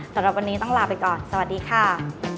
สำหรับวันนี้ต้องลาไปก่อนสวัสดีค่ะ